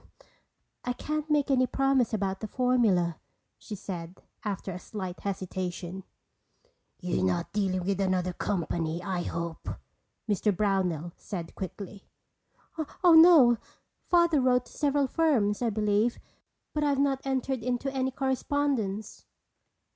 "I can't make any promise about the formula," she said after a slight hesitation. "You're not dealing with another company, I hope," Mr. Brownell said quickly. "Oh, no. Father wrote to several firms, I believe, but I've not entered into any correspondence."